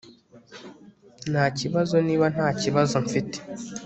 Ntakibazo niba nta kibazo mfite